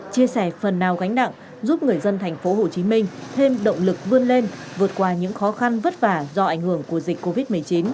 chia sẻ phần nào gánh nặng giúp người dân tp hcm thêm động lực vươn lên vượt qua những khó khăn vất vả do ảnh hưởng của dịch covid một mươi chín